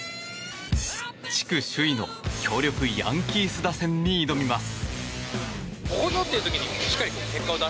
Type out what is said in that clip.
地区首位の強力ヤンキース打線に挑みます。